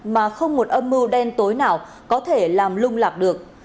mà không một âm mưu đen tối nào có thể làm lung lạc được